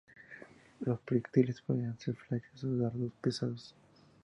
Los proyectiles podían ser flechas o dardos pesados.